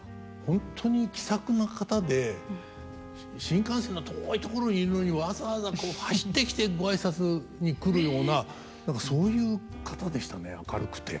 本当に気さくな方で新幹線の遠い所にいるのにわざわざ走ってきてご挨拶に来るような何かそういう方でしたね明るくて。